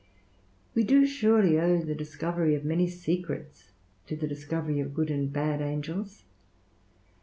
We do surely owe the discovery of many secrets to the discovery of good and bad angels.